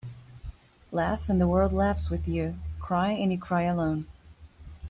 Laugh and the world laughs with you. Cry and you cry alone.